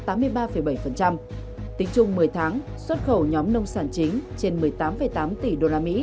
tính chung một mươi tháng xuất khẩu nhóm nông sản chính trên một mươi tám tám tỷ usd